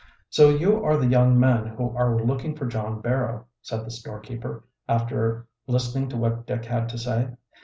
"So you are the young men who are looking for John Barrow," said the storekeeper, after listening to what Dick had to say.